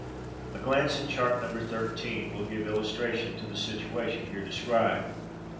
A glance at Chart No. XIII will give illustration to the situation here described.